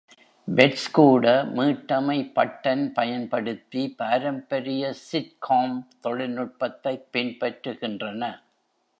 "Pets" கூட "மீட்டமை button" பயன்படுத்தி பாரம்பரிய சிட்காம் தொழில்நுட்பத்தைப் பின்பற்றுகின்றன.